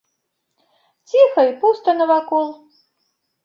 Ціха і пуста навакол.